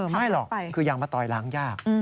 ไม่หรอกคือยางมะตอยล้างยาก